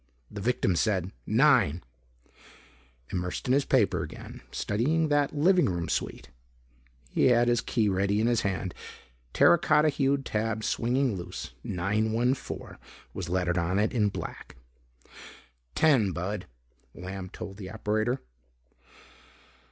The victim said "nine," immersed in his paper again, studying that living room suite. He had his key ready in his hand, terra cotta hued tab swinging loose. "914" was lettered on it in black. "Ten, Bud," Lamb told the operator.